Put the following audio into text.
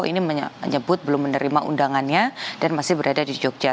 ini menyebut belum menerima undangannya dan masih berada di jogja